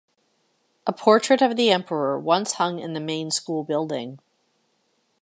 A portrait of the emperor once hung in the main school building.